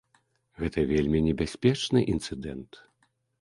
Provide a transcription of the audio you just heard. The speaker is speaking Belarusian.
Гэта вельмі небяспечны інцыдэнт.